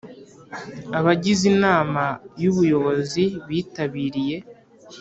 abagize Inama y Ubuyobozi bitabiriye